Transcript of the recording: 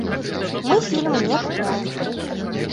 Мы фільмы не купляем.